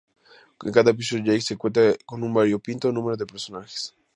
En cada episodio, Jake se encuentra con un variopinto número de personajes.